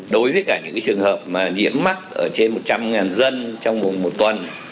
đối với cả những trường hợp mà nhiễm mắc ở trên một trăm linh dân trong vòng một tuần